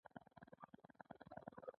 هغه مکتوب چې له بهر څخه راځي.